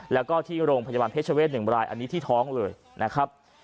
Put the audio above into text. แล้วก็ที่โรงพยาบาลเพชรเวศ๑รายอันนี้ที่ท้องเลยนะครับ